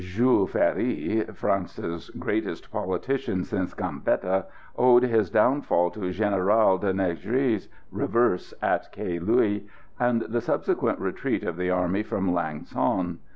Jules Ferry, France's greatest politician since Gambetta, owed his downfall to Général de Négriers reverse at Ky Lua, and the subsequent retreat of the army from Lang son.